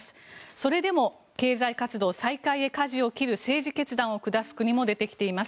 それでも経済活動再開にかじを切る政治決断を下す国も出てきています。